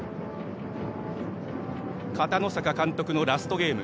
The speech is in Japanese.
片野坂監督のラストゲーム。